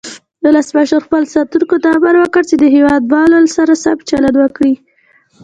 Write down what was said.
ولسمشر خپلو ساتونکو ته امر وکړ چې د هیواد والو سره سم چلند وکړي.